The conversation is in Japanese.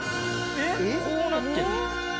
こうなってるの。